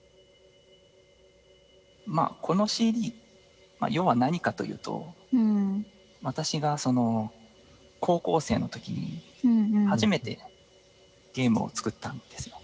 まあこのＣＤ要は何かというと私が高校生のときに初めてゲームを作ったんですよ。